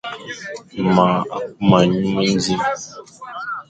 Ma a kuma nyu mendi,